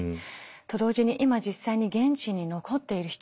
と同時に今実際に現地に残っている人々